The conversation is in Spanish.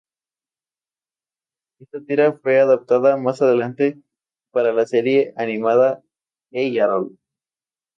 Esta tira fue adaptada más adelante para la serie animada "Hey Arnold!".